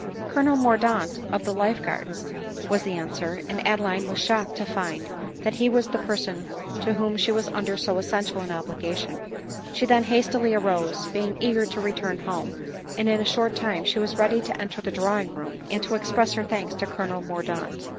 " Colonel Mordaunt of the life guards," was the an swer ; and Adeline was shocked to find that he was the person to whom she was under so essential an obligation* She then hastily arose, being eager to return home ; and in a short time she was ready to enter the drawing room, and to express her thanks to Colonel Mordaunt.